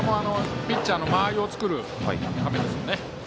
ピッチャーの間合いを作るためですね。